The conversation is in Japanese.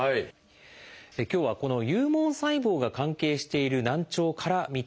今日はこの有毛細胞が関係している難聴から見ていきます。